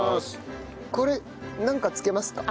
これなんかつけますか？